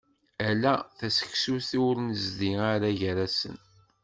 Ala taseksut i ur nezdi ara gar-asen.